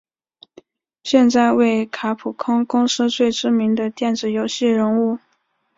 现在为卡普空公司最知名的电子游戏人物。